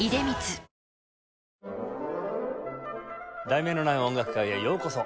『題名のない音楽会』へようこそ。